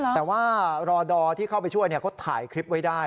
แต่ว่ารอดอที่เข้าไปช่วยเขาถ่ายคลิปไว้ได้